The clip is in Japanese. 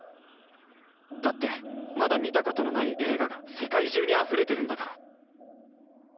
だってまだみたことのないえいががせかいじゅうにあふれてるんだから。